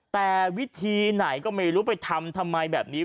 แต่วิธีไหนก็ไม่รู้ไปทำทำไมแบบนี้